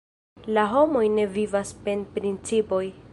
La homoj ne vivas sen principoj.